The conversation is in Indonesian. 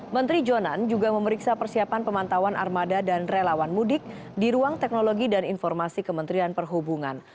menteri jonan juga memeriksa persiapan pemantauan armada dan relawan mudik di ruang teknologi dan informasi kementerian perhubungan